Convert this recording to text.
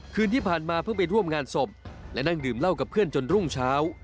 คืนที่ผ่านมาเพิ่งไปร่วมงานศพและนั่งดื่มเหล้ากับเพื่อนจนรุ่งเช้า